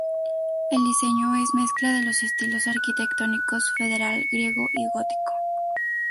El diseño es mezcla de los estilos arquitectónicos federal, griego y gótico.